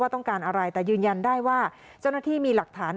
ต้องการอะไรแต่ยืนยันได้ว่าเจ้าหน้าที่มีหลักฐาน